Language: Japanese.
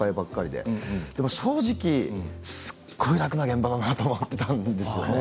でも正直すっごい楽な現場だなと思っていたんですね。